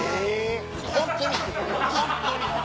ホントにホントに。